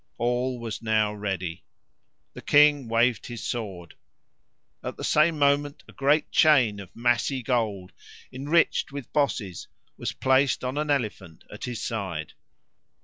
All was now ready. The king waved his sword. At the same moment a great chain of massy gold, enriched with bosses, was placed on an elephant at his side.